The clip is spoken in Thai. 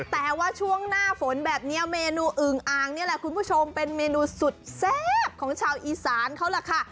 แต่ว่าช่วงหน้าฝนแบบนี้เมนูอึงอ่างนี่แหละคุณผู้ชมเป็นเมนูสุดแซ่บของชาวอีสานเขาล่ะค่ะ